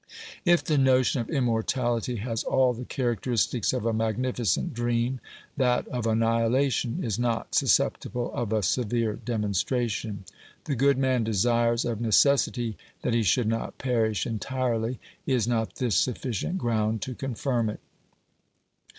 If the notion of immortality has all the characteristics of a magnificent dream, that of annihilation is not susceptible of a severe demonstration. The good man desires of necessity that he should not perish entirely : is not this sufficient ground to confirm it